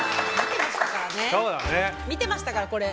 見てましたから、これ。